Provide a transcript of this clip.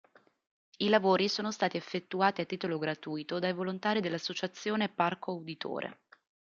I lavori sono stati effettuati a titolo gratuito dai volontari dell'associazione Parco Uditore.